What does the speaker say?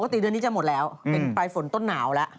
เดือนนี้จะหมดแล้วเป็นปลายฝนต้นหนาวแล้ว